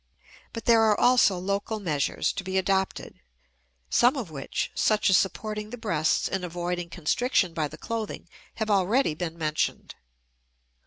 But there are also local measures to be adopted, some of which, such as supporting the breasts and avoiding constriction by the clothing, have already been mentioned.